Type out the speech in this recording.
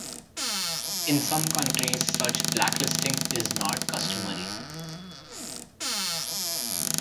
In some countries, such blacklisting is not customary.